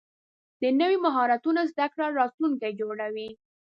د نوي مهارتونو زده کړه راتلونکی جوړوي.